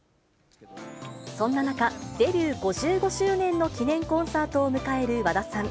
そんな中、デビュー５５周年の記念コンサートを迎える和田さん。